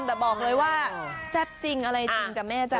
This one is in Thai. แต่บอกเลยว่าแซ่บจริงอะไรจริงจ้ะแม่จ้